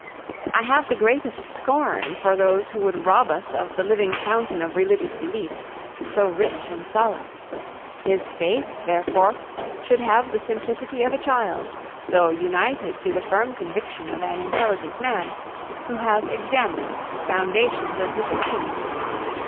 I have the greatest scorn for those who would rob us of the living fountain of religious beliefs, so rich in solace. His faith, therefore, should have the simplicity of a child, though united to the firm conviction of an intelligent man, who has examined the foundations of his creed.